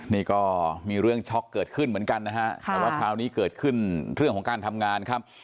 นี่ก็มีเรื่องช็อกเกิดขึ้นเหมือนกันนะฮะแต่ว่าคราวนี้เกิดขึ้นเรื่องของการทำงานครับ